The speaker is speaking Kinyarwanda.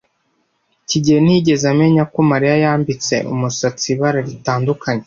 kigeli ntiyigeze amenya ko Mariya yambitse umusatsi ibara ritandukanye.